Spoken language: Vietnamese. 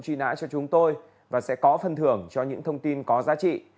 truy nã cho chúng tôi và sẽ có phân thưởng cho những thông tin có giá trị